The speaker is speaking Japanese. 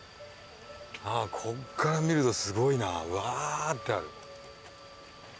こっから見るとすごいなわってある。